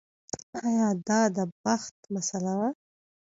ایا دا د بخت مسئله وه.